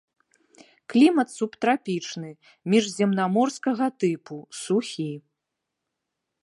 Клімат субтрапічны, міжземнаморскага тыпу, сухі.